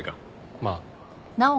まあ。